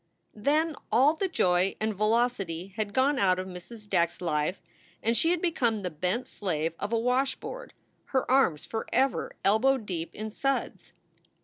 Then all the joy and velocity had gone out of Mrs. Back s life and she had become the bent slave of a washboard, her arms forever elbow deep in suds.